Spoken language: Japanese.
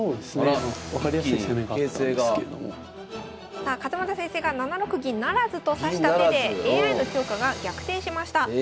さあ勝又先生が７六銀不成と指した手でＡＩの評価が逆転しました。